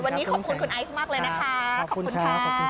วันนี้ขอบคุณคุณไอซ์มากเลยนะคะขอบคุณค่ะ